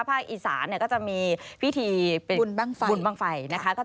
ภาคอีสานก็จะมีพิธีบุญบ้างไฟ